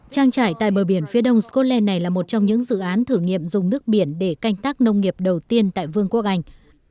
trang trải tại bờ biển phía đông scotland này là một trong những dự án thử nghiệm dùng nước biển để canh tác nông nghiệp đầu tiên tại vương quốc anh